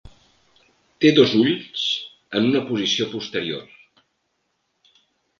Té dos ulls en una posició posterior.